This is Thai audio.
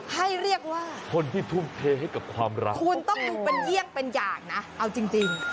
ให้เรียกว่าคุณต้องดูเป็นเยี่ยงเป็นอย่างนะเอาจริง